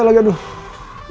emang aku senyum senyum ya